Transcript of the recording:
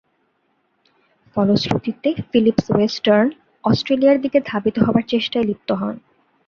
ফলশ্রুতিতে, Phillips Western অস্ট্রেলিয়ার দিকে ধাবিত হবার চেষ্টায় লিপ্ত হন।